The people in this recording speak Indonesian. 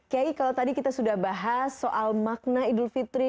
kiai kalau tadi kita sudah bahas soal makna idul fitri